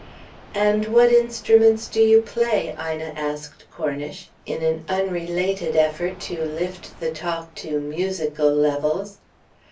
"And what instruments do you play?" Ina asked Cornish, in an unrelated effort to lift the talk to musical levels.